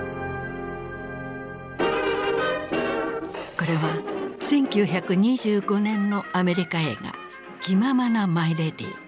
これは１９２５年のアメリカ映画「気ままなマイレディ」。